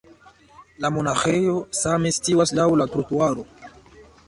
La monaĥejo same situas laŭ la trotuaro.